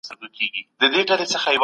دواړه جرګي کله ګډه غونډه کوي؟